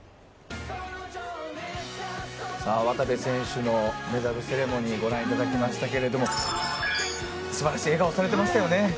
渡部選手のメダルセレモニーをご覧いただきましたが素晴らしい笑顔をされていましたよね。